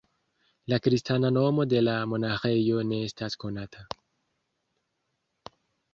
La kristana nomo de la monaĥejo ne estas konata.